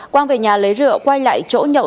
quang về nhà lấy rượu quay lại chỗ nhậu